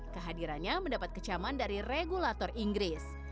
kehadirannya mendapat kecaman dari regulator inggris